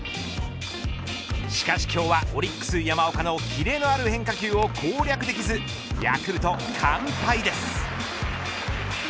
しかし今日は、オリックス山岡の切れのある変化球を攻略できず、ヤクルト完敗です。